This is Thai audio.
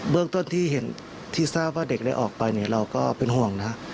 เรื่องต้นที่ทราบว่าเด็กได้ออกไปเราก็เป็นห่วงนะ